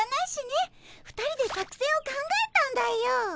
２人で作戦を考えたんだよ。